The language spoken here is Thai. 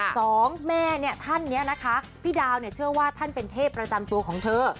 สองแม่เนี่ยท่านนี้นะคะพี่ดาวเนี่ยเชื่อว่าท่านเป็นเทพประจำตัวของเธอ